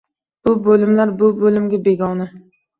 Boshqa bo‘limlar bu bo‘limga begona.